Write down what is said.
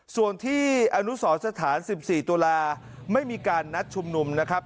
ส่วนที่อนุสรสถาน๑๔ตุลาไม่มีการนัดชุมนุมนะครับ